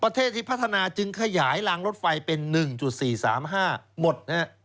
ประเทศที่พัฒนาจึงขยายรางรถไฟเป็น๑๔๓๕หมดนะฮะ